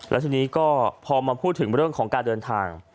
แล้วทีนี้ก็พอมาพูดถึงเรื่องของการเดินทาง